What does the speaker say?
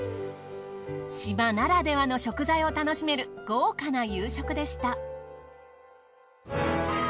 島ならではの食材を楽しめる豪華な夕食でした。